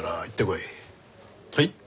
はい？